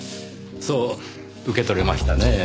そう受け取れましたねぇ。